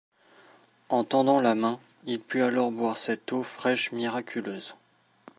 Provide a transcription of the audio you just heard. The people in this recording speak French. En tendant la main, il put alors boire cette eau fraiche miraculeuse.